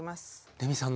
レミさんの？